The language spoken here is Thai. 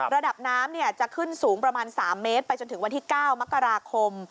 ระดับน้ำจะขึ้นสูงประมาณ๓เมตรไปจนถึงวันที่๙มกราคม